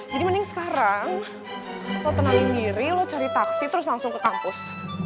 jadi mending sekarang lo tenangin diri lo cari taksi terus langsung ke kampus